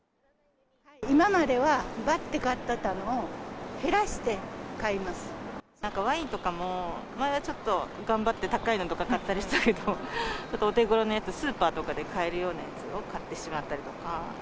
今まではばって買ってたのを、なんかワインとかも、前はちょっと頑張って高いのとか買ったりしてたけど、ちょっとお手ごろなやつ、スーパーとかで買えるようなやつを買ってしまったりとか。